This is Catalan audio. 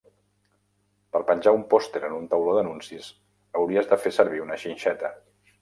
Per penjar un pòster en un tauló d'anuncis, hauries de fer servir una xinxeta